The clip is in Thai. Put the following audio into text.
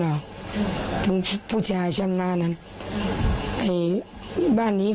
บ้านลูกของคุณปายอันนี้ค่ะ